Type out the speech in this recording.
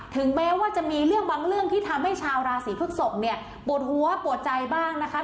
ถึงแม้ว่าจะมีเรื่องบางเรื่องที่ทำให้ชาวราศีพฤกษกเนี่ยปวดหัวปวดใจบ้างนะคะ